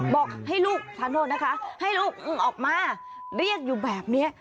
บอกให้ลูกทานโทษนะคะให้ลูกมึงออกมาเรียกอยู่แบบนี้